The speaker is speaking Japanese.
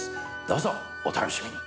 どうぞお楽しみに。